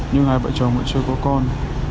nhưng hai vợ chồng vẫn chưa có con